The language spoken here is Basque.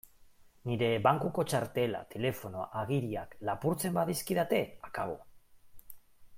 Nire bankuko txartela, telefonoa, agiriak... lapurtzen badizkidate, akabo!